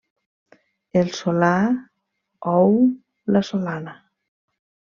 El solà ou la solana.